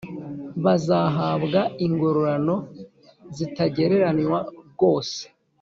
bazahabwa ingororano zitagereranywa rwose